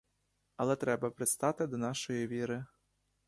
Але треба пристати до нашої віри.